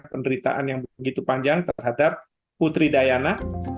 penderitaan yang begitu panjang terhadap putri diana